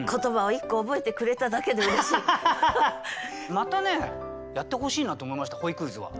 またやってほしいなと思いました本意クイズは。